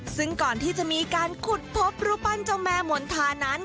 ซึ่งก่อนที่จะมีการขุดพบรูปปั้นเจ้าแม่มณฑานั้น